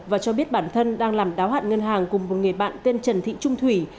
và cho biết bản thân đang làm đáo hạn ngân hàng cùng một người bạn tên trần thị trung thủy